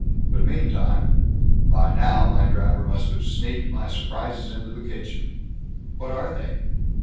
But meantime By now, my driver must have sneaked my s'prises into the kitchen." "What are they?"